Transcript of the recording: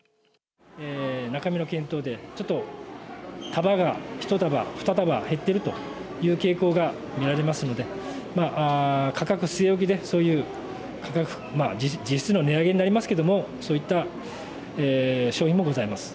中身の検討でちょっと束が１束、２束減っているという傾向が見られますので価格据え置きで、そういう実質の値上げになりますけどもそういった商品もございます。